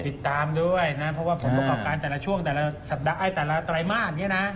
ติดตามด้วยนะเพราะว่าผลประกอบการแต่ละช่วงแต่ละสัปดาห์แต่ละไตรมาสอย่างนี้นะ